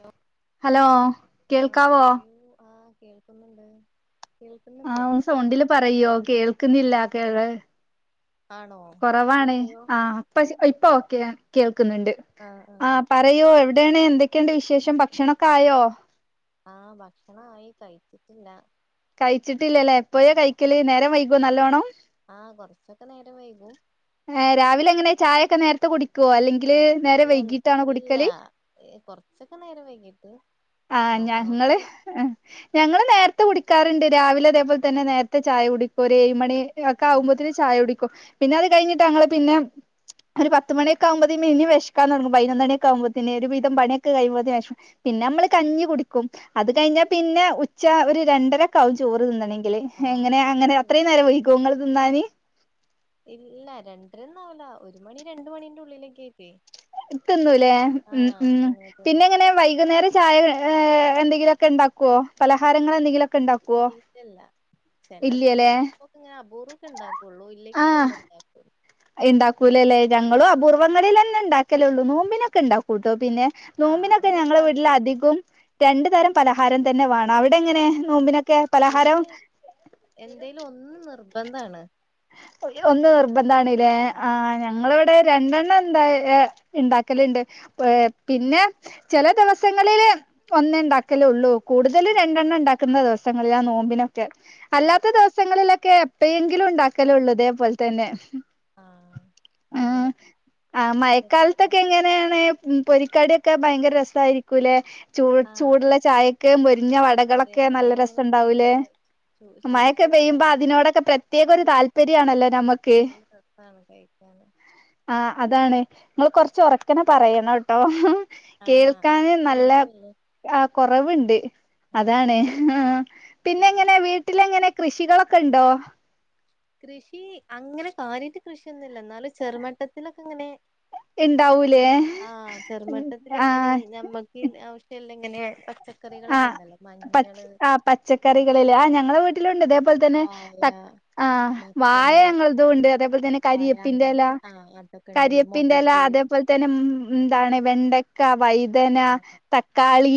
Hello hello ആഹ് കേൾക്കാവോ പറയൂ ആഹ് കേൾക്കുന്നുണ്ട് ആ കേൾക്കുന്നില്ലേ ഒന്ന് സൗണ്ടില് പറയോ കേൾ ക്ന്നില്ല കേള് ആണോ കോറവാണ് ഇപ്പഴോ ആ അപ്പ ഇപ്പൊ ക്യാ കേൾ ക്ന്ന്ണ്ട് ആഹ് ആ ആഹ് പറയൂ എവി വിടേണ് എന്തൊക്കെണ്ട് വിശേഷം ഭക്ഷണൊക്കെ ആയോ ആ ഭക്ഷണ ആയി കഴിച്ചിട്ടില്ല കഴിച്ചിട് ഇല്ലലേ എപ്പോഴാ കഴിക്കല് നേരം വൈ ഇപ്പം നല്ലോണം ആ കൊറച്ചൊക്കെ നേരം വൈകും രാവിലെ എങ്ങനെ ചായോക്കെ നേരത്തെ കുടിക്കുവോ അല്ലെങ്ക ല് നേരം ഇല്ല വൈകിട്ട് ആണോ ഇല്ല കുടിക്കല് കൊറച്ചൊക്കെ നേരം വൈകീട്ട് ആ നല്ലോണം ഞങ്ങള് വൈകി ഞങ്ങള് നേ ത് കുടിക്കാറുണ്ട് രാവിലെ അതേപോലെ തന്നെ ആണോ നേരത്തെ ചായ കുടി ഒരേഴ് മണികേ ആക്ക ആഹ് ആവുമ്പത്തിന് ചായ കുടി പിന്നെ അത് കഴിഞ്ഞിട്ട് അങ്ങള് പിന്നെ ഒരു പത്ത് മണിക്കെ ആവുമ്പോ പിനിം വേഷക്കാൻ തുടങ്ങും പതിനൊന്ന് മണിക്കൊ ആകുമ്പോതിന് ഒരു വിധം പണിയൊക്കെ കഴിയ്മ്പോതിന് പിന്നെ നമ്മള് കഞ്ഞി കുടിക്കും അത് കഴിഞ്ഞാ പിന്നെ ഉച്ച ഒരു രണ്ടരക്ക ആവും ചോറ് തിന്നണെങ്കി ആഹ് എങ്ങനെ അങ്ങനെ അത്രയും നേരം വൈകോ ഇങ്ങള് തിന്നാന് ഇല്ല രണ്ടരെന്നും ആവൂല്ല ഒരു മണി രണ്ട് മണീന്റെ ഉള്ളിലൊക്കെ തിന്നുല്ലേ ഉം ആഹ് ഉം അങ്ങനെ പിന്നെ തിന്നും എങ്ങനെ വൈകുന്നേരം ചായ ഏ എന്തെങ്കിലോക്കെ ഉണ്ടാക്കുവോ പലഹാരങ്ങൾ എന്തെങ്കിലോ ഒക്കെ ണ്ടാക്കുവോ ഇല്ലല്ല ചെല ചെലപ്പോക്കെ ഞാ അപൂർവൊക്കെ ഉണ്ടാകോള്ളൂ ഇല്ലെങ്കി ആഹ് ഒന്നും ഉണ്ടാക്കു ഇണ്ടാക്കൂലല്ലേ ഞങ്ങളും അപൂർവങ്ങളിൽന്നെ ഇണ്ടാക്കലോള്ളൂ നോമ്പിനൊക്കെ ഇണ്ടാക കുട്ടോ പിന്നെ ആഹ് നോമ്പിനൊക്കെ അങ്ങനെ ഞങ്ങളെ വീട്ടില് ഇണ്ടാക്കും അധികം രണ്ടു തരം പലഹാരം തന്നെ വേണം അവിടെ എങ്ങനെ നോമ്പിന ഇവിടെ എന്തേലും ഒന്ന് നിർ ബന്ധാണ് ഒന്ന് നിർബ ഡാണ് ലേ ആ ആഹ് ഞങ്ങൾ ടെ രണ്ടെണ്ണം എന്താ ഇണ്ടാക്കലുണ്ട് ഏ പിന്നെ ചെല ദിവസങ്ങളില് ഒന്നേ ഉണ്ടാക്കലൊള്ളൂ കൂടുതൽ രണ്ടെണ്ണംണ്ടാ ക്കുന്ന ദിവസങ്ങളിൽ ആ നോമ്പിനൊ [unintelligible] ആഹ് അല്ലാത്ത ദിവസങ്ങളില ക്കെ എപ്പഴെങ്കിലും ഉണ്ടാ ക്കലൊള്ളു ഇതേ പോലെ തന്നെ ആഹ് ആ അങ്ങനെ ആ എന്നിട്ട് മയക്കാലത്തൊക്കെ എങ്ങനെ ഏണ് ഉം പൊരിക്ക ട്യൊക്കെ ഭയങ്കര രസമായിരിക്കൂല്ലെ ചൂ ആഹ് ചൂടുള്ള ചായക്ക് മൊരിഞ്ഞ അതെ വടകളൊക്കെ മഴ നല്ല ഇങ്ങനെ രസം ഉണ്ടാവൂലേ പെയ്യുമ്പോ ചൂ ചെറു മഴൊക്കെ ചൂട് പെയ്യുമ്പോ അതിനോടൊക്കെ പ്രത്യേക ഒരു ചായന്റെ താൽ [unintelligible] ണല്ലോ നമക്ക് നല്ല രസാണ് കഴിക്കാന് ആ അതാണ് നിങ്ങൾ കൊറച്ച് ഒറക്കനെ പറയണം ട്ടോ ആഹ് കേൾക്കാന് നല്ല കേൾക്കണില്ലേ ആ കുറവുണ്ട് ആണോ അതാണ് ആ പിന്നെ ശരി എങ്ങനെ വീട്ടിലെങ്ങനെ കൃഷികളൊക്കെ ഇണ്ടോ കൃഷി അങ്ങനെ കാര്യാട്ട് കൃഷിയൊന്നുമില്ല എന്നാലും ചെറുമട്ടത്തിലൊക്കെ ഇങ്ങനെ ഇണ്ടാവൂലേ ആഹ് ചെറുമട്ടത്തി ലിങ്ങനെ ആഹ് ഞമ്മക്ക് ആവശ്യല്ല എങ്ങനെ [unintelligible] ആ പച്ച് ആ ആഹ് പച്ചക്കറികള് ല്ലേ ആ ഞങ്ങള വീട്ടിലുണ്ട് ച്ചതേപോലെ തന്നെ വായ ത ആ വാഴ മത്തന് ഞങ്ങൾതും ഉണ്ട് അതേപോലെ തന്നെ പപ്പായ അങ്ങനെ കരിയേപ്പിന്റെല കൊറേ ആ അതൊക്കെ ഉണ്ട് കരിയേപ്പിന്റെ എല മുളക് അതേപോലെ തന്നെ ഉം എന്താണ് വെണ്ട ക്ക വൈ തന തക്കാളി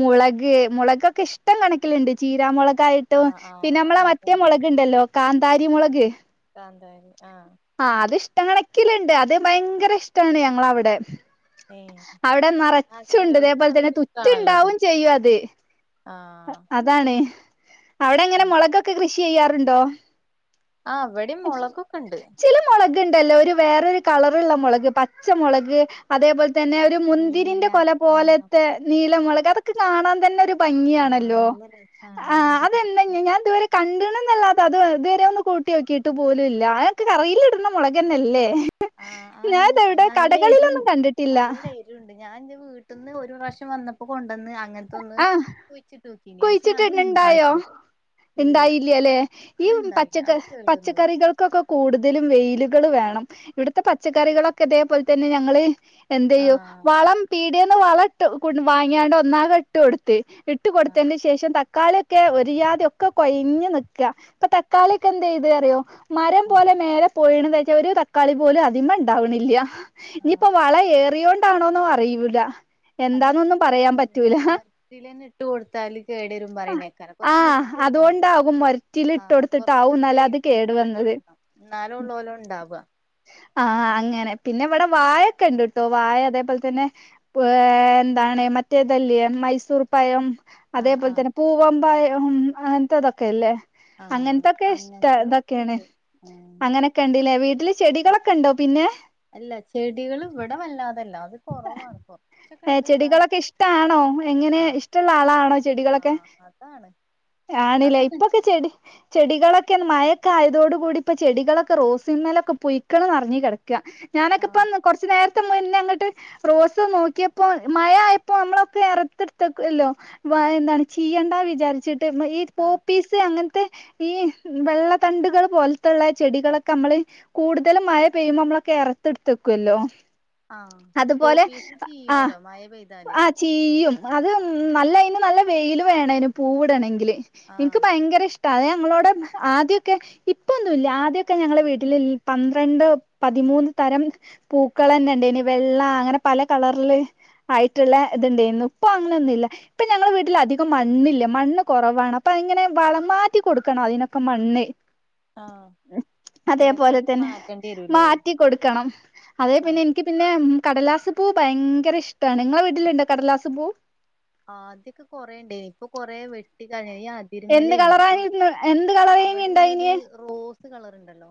മുളക് മുളകൊക്കെ ഇഷ്ടം കണക്കിലുണ്ട് ചീരാ മൊള ആ ക്കായിട്ടും ആ പിന്നെ ആ നമ്മളെ അതെ മറ്റേ മുളക്ണ്ടല്ലോ കാന്താരി മുളക് കാന്താരി ആഹ് ഷ്ട്ട കണക്കിലുണ്ട് അത് ഭയങ്കര ഇഷ്ടമാണ് ഞങ്ങളവിടെ ഏ അവിടെ ആ നറച്ചുണ്ട് ചെലോൽക്ക് അതേപോലെ നല്ല തന്നെ ഇഷ്ടാണല്ലോ അത് തുറ്റുണ്ടാവും ചെയ്യും അത് ആ അതാണ്. അവിടെ ഇങ്ങനെ മുളകൊക്കെ കൃഷി ചെയ്യാറുണ്ടോ? ആ ഇവിടെയും മുളകൊക്കെ ഇണ്ട്. കിണ്ടല്ലോ ഒരു വേറൊരു കളറ്ള്ള മുളക് പച്ചമുളക് അതേപോൽ ത്തന്നെ ഒരു നീല മുന്തിരിന്റെ കൊല ആ പോലത്തെ മുന്തിരി. ആ നീലമുളക് അതൊക്കെ കാണാൻ തന്നെ ഒരു ആ ഭംഗിയാണല്ലോ. നല്ല രസാണ് ആ മുന്തിരി അതെ ഒക്കെ. ഞാൻ ഇതുവരെ കണ്ട്ണ്ന്നല്ല പ്പത് ഇതുവരെ ഒന്ന് കൂട്ടി നോക്കി ട്ടു പോലു ഇല്ല ആക്കെ കറയിലിടണ മുളകന്നല്ലേ? ആഹ് ആണ് നല്ല എരു കണ്ടിട്ടില്ല നല്ല എരുണ്ട് ഞാൻ എന്റെ വീട്ടിൽ നിന്ന് ഒരു പ്രാവശ്യം വന്ന പ്പൊ കൊണ്ടന്ന് അങ്ങൻ ആഹ് കുഴിച്ചിട്ട് ഇണ്ടായോ ഇണ്ടായില്ല ഇല്ല ഉണ്ടായില്ലല്ലെ ഈ അത് ഇണ്ടായില്ല പച്ചക്ക അത് കേടന്ന് പോയി പച്ചക്കറികൾക്കൊക്കെ കൂടുതലും വെയിലും കൾ വേണം ഇവിടത്തെ പച്ചക്കറികളൊക്കെ അതേപോലെ തന്നെ ഞങ്ങള് എന്ത ആ ചെയ്യും വളം പീ ഇതേന്ന് വളട്ടു കൊ വാങ്ങിയാണ്ട് ഒന്നാകെ ട്ട് കൊടുത്ത് ഇട്ട് ആ കൊടുത്തതിന് ശേഷം ത ക്കാളിയൊക്കെ ഒരിയാതി ഒക്കെ കൊഴഞ്ഞ് നിക്കാ. ഇപ്പൊ തക്കാളിയൊക്കെ എന്ത് ചെയ്ത് അറിയോ മരം ആ പോലെ മേലെ പോയിണന്ന് വെച്ചാൽ ഒര് തക്കാളി പോലും അതിമ്മ ഉണ്ടാവണില്ല. ആ ഇനിയിപ്പോ വള ഏറിയോ ണ്ടാണോന്നും അറിയൂല. എന്താന്നൊന്നും പറയാൻ പറ്റൂല. ഇതിലന്നെ ഇട്ട് കൊടുത്താല് കേടരും പറയണേക്കാരം കുറച്ച് ആഹ് വിട്ടിടണല്ലോ. അതുകൊണ്ടാകും മൊരറ്റില് ആ ഇട്ട് കൊറച്ച് കൊടുത്തിട്ടാവും എന്നാല അത് സ്പേസ് കേടു ഇട്ട്ങ്ങാണ്ട് വിട്ടോ എന്നാലും ഉള്ളോലോ ഉണ്ടാവ. ആ അങ്ങനെ പിന്നെ ഇവിടെ വായൊക്കെ ഉണ്ട് കേട്ടോ വായ അതേപോലെ തന്നെ ഏ എന്താണ് മറ്റേതല്ലെ മൈസൂർ പഴം ആഹ് അതേപോലെ ആഹ് തന്നെ പൂവമ്പയ ഉം അങ്ങനത്തെ അതൊക്കെ ല്ലേ ആഹ് അങ്ങനത്തൊക്കെ ഇഷ്ട അങ്ങനത്തെ ഇതൊക്കെയാണ് ഒക്കെയുണ്ട് ആഹ് അങ്ങനൊക്കെ ഉണ്ട്ലെ വീട്ടിൽ ചെടികളൊക്കെ ഉണ്ടോ പിന്നെ അല്ല ചെടികൾ ഇവിടെ വല്ലാതല്ല അത് കൊറവാണ് കൊറച്ചൊക്കെ ഏ ഇണ്ട് എന്നാലും ചെടികളൊക്കെ ഇഷ്ടാണോ എങ്ങനെ ആഹ് ഇഷ്ടമുള്ള ആളാണോ ചെടികളൊക്കെ ആഹ് അതാണ് കാണില്ലേ അതൊക്കെ ഇണ്ട് ഇപ്പൊക്കെ ചെടി ചെടികളൊക്കെ മഴ മഴകാലം ആയതോടെ കൂടി ഇപ്പ ചെടികൾ ഒകെ റോസിന്മേലൊക്കെ പുഴുക്കൾ നിറഞ്ഞ കിടക്ക ഞാനൊക്കെ ആഹ് ഇപ്പം കുറച്ചു നേര ഇ മുന്നേ അങ്ങോട്ട് റോസ് നോക്കിയപ്പോ മഴ ആയപ്പോ നമ്മളൊക്കെ ഇറത്തെടുത്തല്ലോ എന്താണ് ചീയണ്ടന്ന് വിചാരിച്ചിട്ട് ഈ ആഹ് പോപീസ് അങ്ങനെ മഴയത്ത് ഈ വെള്ളത്തണ്ടുകൾ പോലത്തുള്ള ചെടികളൊക്കെ നമ്മള് കൂടുതലും മഴ പെയ്യുമ്പോ നമ്മളൊക്കെ ഇറത്തെടുത്ത വക്കല്ലോ ആഹ പോപീസ് ച്ചിയ്യുവല്ലോ മഴ പെയ്താല് ആ ചെയ്യും അത് നല്ല അതിന് നല്ല വെയിൽ വേണേന് പൂവിടണമെങ്കിൽ നിക്ക് ആഹ് ഭയങ്കര ഇഷ്ട അത് ഞങ്ങളോട് ആദ്യൊക്കെ ഇപ്പൊന്നുമല്ല ആദ്യൊക്കെ ഞങ്ങളുടെ വീട്ടിൽ പന്ത്രണ്ട് പതിമൂന്ന് തരം പൂക്കൾ തന്നെ ഉണ്ടന് വെള്ള അങ്ങനെ പല കളറൽ ആയിട്ടുള്ള ഇത്ണ്ടായിരുന്നു ഇപ്പൊ അങ്ങനെൊന്നുമല്ല ഇപ്പ ഞങ്ങളുടെ വീട്ടിൽ അധികം മണ്ണില്ല മണ്ണ് കുറവാണ് അപ്പൊ അങ്ങനെ വളം മാറ്റി കൊടുക്കണം അതിനൊക്കെ മണ്ണ് ആഹ് അതേപോലെ എടക്കെടക്ക് തന്നെ മാറ്റേണ്ടി വരൂല്ലേ മാറ്റിക്കൊടുക്കണം അതേ ആ പിന്നെ എനിക്ക് പിന്നെ കടലാസ് പൂ ഭയങ്കര ഇഷ്ടമാണ് നിങ്ങളെ വീട്ടിലുണ്ടോ കടലാസ് പൂ ആ്ദ്യൊക്കെ കൊറുണ്ട് ഇനിയിപ്പൊ കൊറ വെട്ടിക്കഴിഞ്ഞ എന്ത് കളറെനി എന്ത് കളർ എനി അവിടെള്ളത് ഇണ്ടയിനിയത് റോസ് കളറ്ണ്ടല്ലോ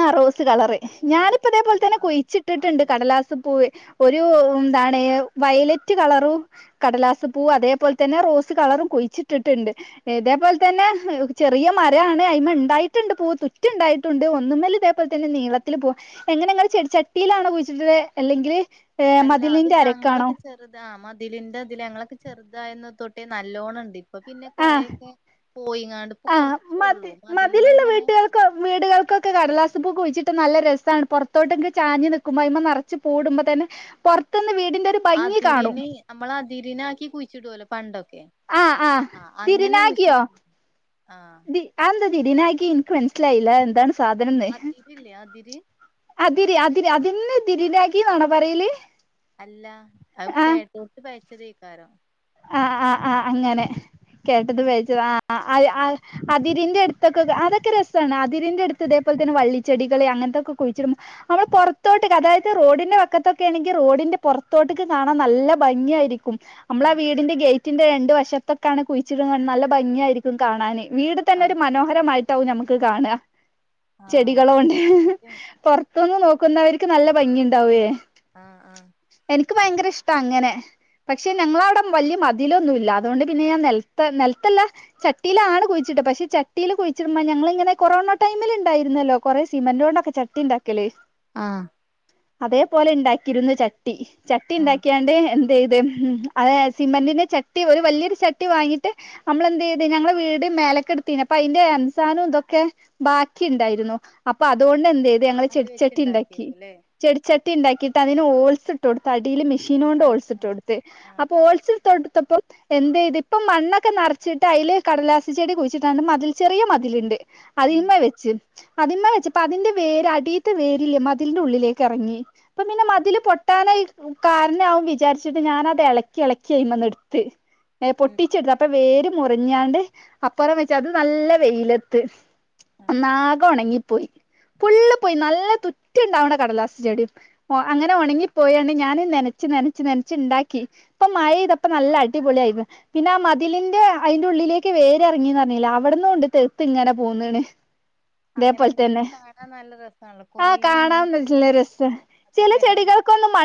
ആ റോസ് കളർ നല്ല റോസ് ഞാനിപ്പോ അതേപോലെ കളറ് തന്നെ ആഹ് കൊഴിച്ചിട്ടിട്ടുണ്ട് അത് കടലാസ്പ്പൂവ് ഒരു എന്താണ് വയലറ്റ് കളറും കടലാസപ്പൂ അതേപോലെ തന്നെ റോസ് കളറും കുഴിച്ചിട്ടിട്ടുണ്ട് ഇതേപോലെ തന്നെ ചെറിയ മരമാണ് അതി്മ ഉണ്ടായിട്ടുണ്ട് പൂവ് തുറ്റുണ്ടായിട്ടുണ്ട് ഒന്നുമേൽ ഇതേപോലെ തന്നെ നീളത്തി പോകും എങ്ങനെങ്ങ ചെിച്ചട്ടിയിലാണ് കുഴിച്ചിട്ടത് അല്ലെങ്കിൽ അല്ല അത് മതിലിന്റെ അരക്കാണോ ഞങ്ങളൊക്കെ ചെറുത ആ മതിലിന്റെ ഇതില് ഞങ്ങളൊക്കെ ചെറുതായിട്ടേ നല്ലോണം ഉണ്ട് ആഹ ഇപ്പൊ ആ മതി കൊറച്ചൊള്ളൂ മതിൽമ്മെ മതിലുള്ള ഇങ്ങനെ വീട്ടുകൾക്ക വീടുകൾക്കൊക്കെ കടലാസ് പൂവ് കുഴിച്ച് കുഴിച്ചിട്ട് നല്ല രസമാണ് പുറത്തോട്ട് ചാഞ്ഞ നിൽക്കുമ്പോൾ അതിൽ തന്നെ നിറച്ച് പൂവ് തന്നെ പുറത്തന്ന് വീ അതിരിനി നമ്മളാ തിരിനിആക്കി കുഴിച്ചിടോലോ പണ്ടൊ ആഹ ആഹ തിരിന ആക്കിയോ കുഴിച്ചിട്ട് ആഹ് [inaudible] തിരിണകി എനിക്ക് മനസ്സിലായില്ല എന്താണ് സാധനം അതിരില്ലേ അതിര് അതിരി അതി ഇന്നെ തിരിനാക്കിന്നാണോ പറയല് അല്ല അത് കേട്ടോട്ത് പിയ ചതേക്കാരം ആ ആ് ആ് അങ്ങനെ കേട്ടത് പിയച്ചത് ആ ആ അ ആഹ് അ ഇതിരിന്റെ അടുത്തൊക്കെ അതൊക്കെ ര അതിരിന്റെ ആഹ് അടുത്ത് ഇതേപോലെ തന്നെ വള്ളി ചെടികള് അങ്ങനത്തൊക്കെ കുഴിച്ചിടും നമ്മള് പുറത്തോട്ട് അതായത് റോഡിന്റെ വക്കത്തൊക്കെ ആണെങ്കിൽ റോഡിന്റെ പുറത്തോട്ടേക്ക് കാണാൻ നല്ല ഭംഗിആയിരിക്കും ആഹ് വീടിന്റെ ഗേ ഗേറ്റിന്റെ രണ്ട് വശത്തൊക്കാണ് കുഴിച്ചിടുന്നത് നല്ല ഭംഗിയായിരിക്കും കാണാന് വീട് തന്നെ ഒരു മനോഹരമായി ട്ടാവും ഞമ്മുക്ക് കാണ ആഹ് ചെടികളോ ഉണ്ട് ശരിയാണ് പൊറത്തുന്ന് നോ ന്നവർക്ക് നല്ല ഭംഗി ഉണ്ടാവുവേ ഉം ഉം എനിക്ക് ഭയങ്കര ഇഷ്ട അങ്ങനെ പക്ഷെ ഞങ്ങള അവിടെ വലിയ മതിലൊന്നുല്ല അതുകൊണ്ട് പിന്നെ ഞാൻ നിലത്ത നിലത്തല്ല ചട്ടിയിലാണ് കുഴിച്ചിട്ടെ പക്ഷെ ചട്ടിയിൽ കുഴിച്ചിടുമ്പോ ഞങ്ങളിങ്ങനെ കൊറോണ ടൈമിൽ ഉണ്ടായിരുന്നല്ലോ കൊറേ സിമെന്റ് കൊണ്ടൊക്കെ ചട്ടി ഉണ്ടാക്കല് ആ അതേപോലെ ഉണ്ടാക്കിയിരുന്നു ച ട്ടി ചട്ടി ആഹ് ഉണ്ടാക്കിയാണ്ട് എ അതേയ്ത് ഉം അ സിമന്റിന്റെ ചട്ടി ഒരു വലിയൊരു ചട്ടി വാങ്ങിട്ട് നമ്മളെന്ത് ചെയ്ത് ഞങ്ങളുടെ വീട് മേലക്കെടുത്തിനു അപ്പൊ അതിന്റെ എംസാനും ഇതൊക്കെ ബാക്കി ഉണ്ടായിരുന്നു അപ്പൊ അതുകൊണ്ട് എന്ത് ചെയ്തു ഞങ്ങൾ അത് ചെടിച്ചട്ടി ഉണ്ടാക്കി വെച്ച്ണ്ടാക്കിയേക്കുല്ലേ ചെടിച്ച ട്ടി ഉണ്ടാക്കിയിട്ട് അതിന് ഹോൾസ് ഇട്ട് ടുത്തടീല് മി ഷീനോണ്ട് ആഹ് ഹോൾസിട്ടോടുത്തു ആഹ് ആഹ് അപ്പൊ ഹോൾസിട്ടോടുത്ത് ത്തപ്പം എന്തേയ്ത് ഇപ്പം മണ്ണൊക്കെ നിറച്ചിട്ട് അയില് കടലാസ് ചെടി കുഴിച്ചിട്ടാണ്ട് മതിൽ ചെറിയ മതിലുണ്ട് ഉം അതിമ്മൽ വെച്ചു അതിമ്മ വെച്ചപ്പോ അതിന്റെ വേര് അടീത്തെ വേരില്ലേ മതിലിന്റെ ഉള്ളിലേക്ക് ഇറങ്ങി അപ്പ പിന്നെ മതില് പൊ കിട്ടാനായി കാരണാവും വിചാരിച്ചത് ഞാനത് ഇളക്കി ഇളക്കി അതിമ്മെന്നു എടുത്ത് ഏ ഉം പൊട്ടിച്ചെടുത്ത് അപ്പൊ വേരു മുറിഞ്ഞാണ്ട് അപ്പുറം വെച്ച് അത് നല്ല വെയിലത്ത് ആഹ് നാഗം ഉണങ്ങിപ്പോയി ഫുള്ള് പോയി നല്ല തുറ്റിണ്ടാവണ കടലാസ് ചെടിയും അങ്ങനെ ഉണങ്ങി പോയാണ് ഞാൻ നനച്ചു നനച്ചു നനച്ച് ഉണ്ടാക്കി ഇപ്പ മഴ ഇപ്പ നല്ല അടിപൊളിയായി പിന്നെ ആ മതിലിന്റെ അതിന്റെ ഉള്ളിലേക്ക് വേര് ഇറങ്ങിന്ന് പറഞ്ഞില്ലേ അവിടന്ന് കൊണ്ട് തെർത്ത് ഇങ്ങനെ പോകുന്നെണ് അങ്ങനെ ഉണ്ടെങ്കി കാണാൻ നല്ല രസമാണല്ലോ കൊറേ ആഹ് ഇങ്ങനെ കാണാൻ നല്ല കൂടി നിക്കുമ്പോ അതൊരു വേറെ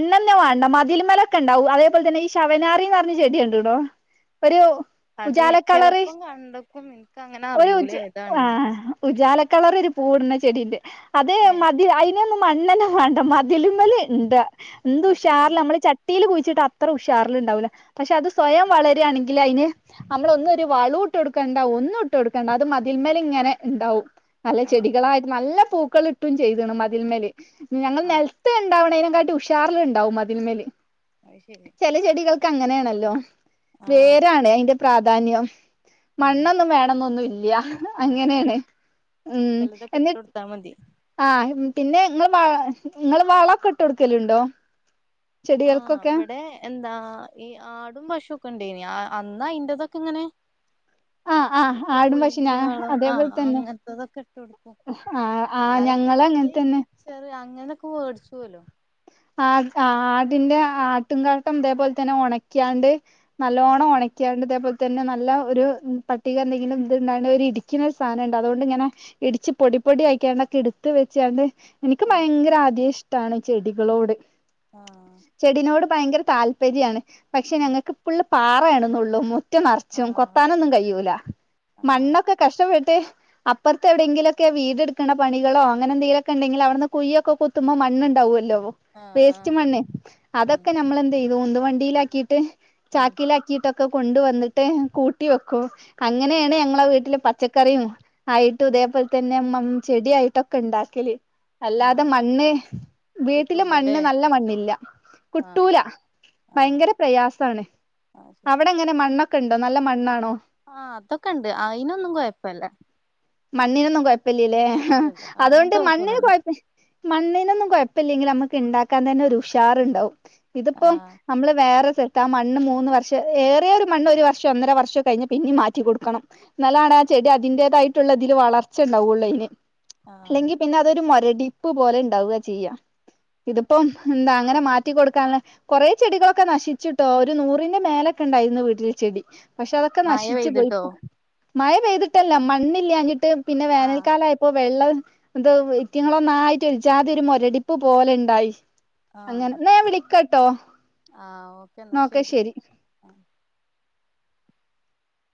ഇന്നന്നെ വേണ്ട മതിൽമേലൊക്കെ ഉണ്ടാവും അതേപോലെ തന്നെ ഈ ശവനാറിന്ന് പറഞ്ഞ ചെടിയുണ്ട് ടൊ ഒരു അതെ ഉജാല കളറ് ചെലപ്പം കണ്ടപ്പം എനിക്ക് അങ്ങനെ അറിയൂലേ ഏതാണ്ന്ന് കളറി ഒരു പൂവിടുന്ന ചെടീണ്ട് അതെ ഏഹ് മതി അയിന് മു മണ്ണന്നെ വേണ്ട മതിലിമേൽ ഉണ്ട് എന്തു മതില് ഉഷാറില് മണ്ടാർ നമ്മള് ചട്ടിയിൽ കുഴിച്ചിട്ട് അ അത്ര ഉഷാറില് ഉണ്ടാവൂല്ല പക്ഷേ അത് സ്വയം വളരുകയാണെങ്കിൽ അതിന് നമ്മളൊന്നും ഒരു വളോ ഇട്ട് കൊടുക്കണ്ട ഒന്നും ഇട്ട് കൊടുക്കണ്ട അത് മതിൽമേല ഇങ്ങനെ ഉണ്ടാവും നല്ല ആഹ് ചെടികളായിട്ട് നല്ല പൂ പൂക്കളിട്ടും ചെയ്തണം അതിൽമേലെ ഞങ്ങൾ ആഹ് നിലത്ത് ഇണ്ടാവണേന ഷ [unintelligible] ചാർലുണ്ടാവും അതിന്മേൽ അത് ശരി ചെല ചെടികൾ ക്ക് അങ്ങനെണല്ലോ ആഹ് വേരാണ് അതിന്റെ പ്രാധാന്യം ഉം മണ്ണൊന്നും വേണന്നൊന്നും ഇല്ല വേറെന്താ അങ്ങനെയാണ് ഉം ചെലതൊക്കെ ഇട്ട് എന്നി കൊടുത്താ മതി ആ പിന്നെ നിങ്ങൾ വ നിങ്ങൾ വളക്കെ ഇട്ട് കൊടുക്കലു ണ്ടോ? ആഹ് ഇവിടെ എന്താ ഈ ആടും പശുവൊക്കെ ഇണ്ടായിനി അന്നാ ഐന്റതൊക്കെ ഇങ്ങനെ ആഹ് ആഹ് ആടും പശുവിനെ ആ കോയിന്റെയാളം ആ അതേപോലെ തന്നെ അങ്ങനത്തതൊക്കെ ഇട്ട് കൊടുക്കും ആഹ് ആഹ് അല്ലാതെ ഞങ്ങള് അങ്ങനെ തന്നെ [unintelligible] അങ്ങനൊക്കെ മേടിച്ചു ലോ ആ ആടിന്റെ ആട്ടും കാട്ടം അതേപോലെ തന്നെ ഉണക്കിയാണ്ട് നല്ലോണ്ണം ഉണക്ക്യാണ്ട് ഇതേപോ തന്നെ നല്ല ഒരു പട്ടിക എന്തെങ്കിലും ഇത്ണ്ട ഒരു ഇടിക്കുന്നൊരു സാധനംണ്ട് അതുകൊണ്ട് ഇങ്ങനെ ഇടിച്ച് പൊടി പൊടി അയക്കാണ്ടൊക്കെ എടുത്ത് വെച്ചാണ്ട് എനിക്ക് ആഹ് ഭയങ്കര ആദ്യം ഇഷ് ട്ടാണ് ചെടി ളോട് ആഹ് ഭയങ്കര താല്പര്യമാണ് പക്ഷെ ഞങ്ങക്കിപ്പിള്ള പാ യാ ണെന്നുള്ളൂ മുറ്റം നറച്ചും ആഹ് കൊത്താനൊന്നും കഴിയൂല ആഹ് മണ്ണൊക്കെ കഷ്ടപ്പെട്ട് അപ്പറത്തെ എവിടെയെങ്കിലൊക്കെ വീടെടുക്കണ പണികളോ അങ്ങനെ എന്തെങ്കിലൊക്ക ഉണ്ടെങ്കിൽവിടെന്ന് കുഴിയൊക്കെ കുത്തുമ്പോ മണ്ണുണ്ടാവുമല്ലോ ആഹ് വേസ്റ്റ് ആഹ് മണ്ണെ ഉം അതൊക്കെ നമ്മളെന്ത ചെയ്യും ഉന്ത് വണ്ടിയിലാക്കിയിട്ട് ഉം ചാക്കിലാക്കിട്ടൊ ഒക്കെ കൊണ്ട വന്നിട്ട് കൂട്ടി വെക്കും അങ്ങനെയാണ് ഞങ്ങളെ വീട്ടില് പ പച്ചക്കറിയും ആയിട്ടും ഇതേപോലെ തന്നെ ചെടിയായിട്ടൊക്കെ ഉണ്ടാക്കല് അല്ലാതെ ആഹ് മണ്ണ് വീട്ട മണ്ണ് കിട്ടൂലല്ലേ നല്ല മണ്ണില്ല ആഹ് കിട്ടൂല ആഹ് ഭയങ്കര പ്രയാസമാണ് ആഹ് ശരി അവിടെങ്ങനെ മ ണ്ണൊക്കെണ്ടോ നല്ല മണ്ണാണോ? ആഹ് അതൊക്കെ ഉണ്ട് അയിനൊന്നും കൊയപ്പില്ല മണ്ണിനൊന്നും കുയപ്പ ല്ലല്ലേ അതുകൊണ്ട് അങ്ങനത്തെ മണ്ണിന് കൊഴപ്പൊന്നുല്ല കുഴപ്പമില്ല മണ്ണിനൊന്നും കുഴപ് പ്പമില്ലെങ്കിൽ നമ്മ ക്കെ ഉണ്ടാക്കാൻ തന്നെ ഒരു ഉഷാറുണ്ടാവും. ഇതിപ്പം ആഹ് നമ്മള് വേറെ ത്ത് ആ മണ്ണ് മൂന്ന് വർഷം ഏറിയ ഒരു മണ്ണ് ഒരു വർഷം ഒന്നര വർഷം കഴിഞ്ഞ പിന്നെ മാറ്റി കൊടുക്കണം എന്നാലാണ് ആ ചെടി അതിന്റേതായിട്ടുള്ള ഇതില് വളർച്ച ഉണ്ടാവുള്ളൂ അതിന്. ആഹ് അല്ലെങ്കിൽ പിന്നെ അതൊരു മുരട് ഡിപ്പ് പോലെ ഉണ്ടാവുക ചെയ്യാ ഇതിപ്പം എന്താ അങ്ങനെ മാറ്റി കൊടുക്കാന് കൊറെ ചെടികളൊക്കെ നശിച്ചിട്ടോ ഒരു നൂറിന്റെ മേലൊക്കെ ഉണ്ടായിരുന്നു വീട്ടിൽ ചെടി. പക്ഷെ അതൊക്കെ മഴ നശിച്ചു പോയി. പെയ്തിട്ടോ മഴ പെയ്തിട്ടല്ല മണ്ണില്ലാഞ്ഞിട്ട് പിന്നെ ആഹ് വേനൽക്കാലം ആയപ്പോ വെള്ളം എന്ത [unintelligible] ചാതി ഒരു മുരടിപ്പ് പോലെ ഉണ്ട് ഉണ്ടായി ആഹ് ആഹ് ഓക്കെ എന്നാ ശരി ആഹ്